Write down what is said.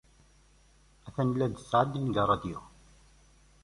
Attan la d-tettɛeddi deg ṛṛadyu.